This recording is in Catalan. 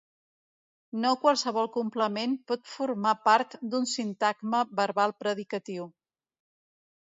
No qualsevol complement pot formar part d'un sintagma verbal predicatiu.